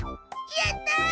やった！